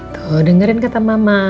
tuh dengerin kata mama